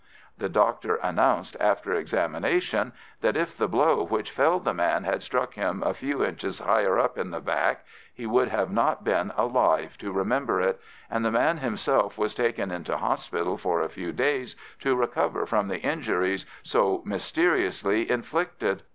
The doctor announced, after examination, that if the blow which felled the man had struck him a few inches higher up in the back he would not have been alive to remember it, and the man himself was taken into hospital for a few days to recover from the injuries so mysteriously inflicted.